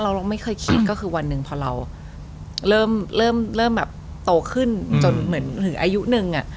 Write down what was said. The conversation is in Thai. เราไม่เคยคิดก็คือวันหนึ่งพอเราเริ่มแบบโตขึ้นจนเหมือนถึงอายุหนึ่งอ่ะ